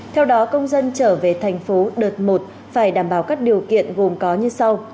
theo đó công dân trở về tp đợt một phải đảm bảo các điều kiện gồm có như sau